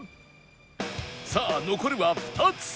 さあ残るは２つ